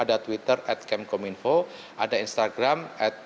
ada twitter ada instagram